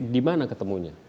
di mana ketemunya